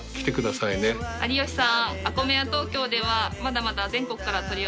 有吉さん